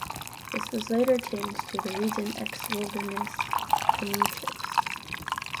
This was later changed to the Region X Wilderness Canoe Trips.